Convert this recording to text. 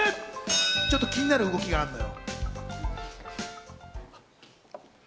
ちょっと気になる動きがあるのよ。